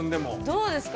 どうですか？